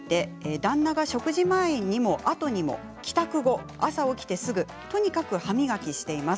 旦那が食事前にも後にも帰宅後、朝起きてすぐとにかく歯磨きしています。